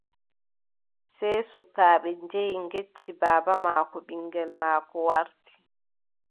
Sey sukaaɓe njehi ngecci baaba maako ɓiŋngel maako warti.